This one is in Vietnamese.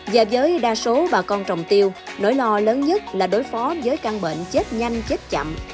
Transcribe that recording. và với đa số bà con trồng tiêu nỗi lo lớn nhất là đối phó với căn bệnh chết nhanh chết chậm